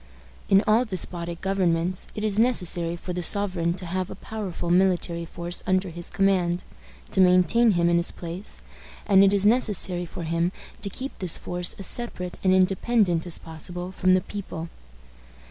In all despotic governments, it is necessary for the sovereign to have a powerful military force under his command, to maintain him in his place; and it is necessary for him to keep this force as separate and independent as possible from the people.